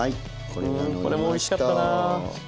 これもおいしかったな。